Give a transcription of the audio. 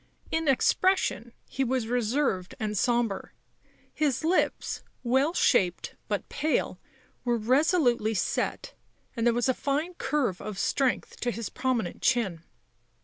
In expression he was reserved and sombre ; his lips well shaped but pale, were resolutely set, and there was a fine curve of strength to his prominent chin.